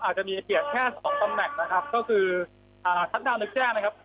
อาจจะมีเพียงแค่สองตำแหน่งนะครับก็คืออ่าทัศดาวนึกแจ้งนะครับ